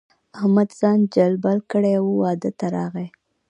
احمد ځان جلبل کړی وو؛ واده ته راغی.